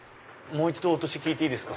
もう一度お年いいですか？